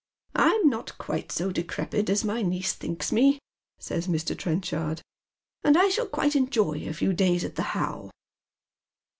" I'm not quite so decrepid as my niece thinks me," says Mr. Trenchard, " and I shall quite enjoy a few days at the How."